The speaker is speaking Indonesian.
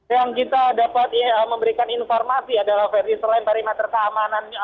yang kita dapat memberikan informasi adalah ferdi selain perimeter keamanan